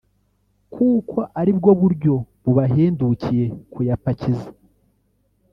kuko ari bwo buryo bubahendukiye kuyapakiza